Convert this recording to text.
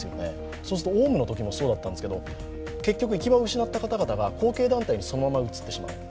そうするとオウムのときもそうだったんですが結局、行き場を失った方々が後継団体に移ってしまう。